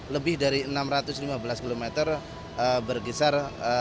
lebih dari enam ratus lima belas km bergeser satu ratus tiga satu ratus empat